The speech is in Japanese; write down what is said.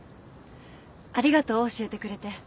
ありがとう教えてくれて。